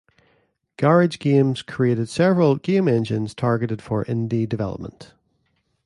GarageGames created several game engines targeted for indie development.